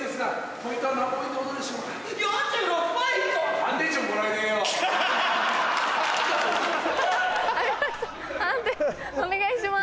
判定お願いします。